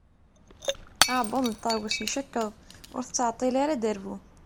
Aɛebbuḍ n Tawes icekkeḍ, ur tettɛeṭṭil ara ad d-terbu.